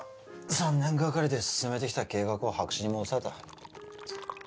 ３年がかりで進めてきた計画を白紙に戻された